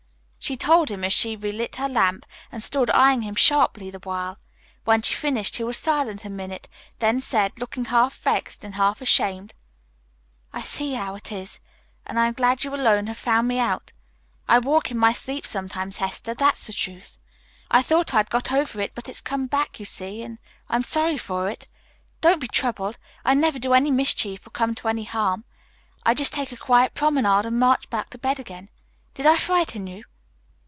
She told him as she relit her lamp, and stood eyeing him sharply the while. When she finished he was silent a minute, then said, looking half vexed and half ashamed, "I see how it is, and I'm glad you alone have found me out. I walk in my sleep sometimes, Hester, that's the truth. I thought I'd got over it, but it's come back, you see, and I'm sorry for it. Don't be troubled. I never do any mischief or come to any harm. I just take a quiet promenade and march back to bed again. Did I frighten you?"